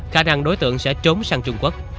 khả năng đối tượng sẽ trốn sang trung quốc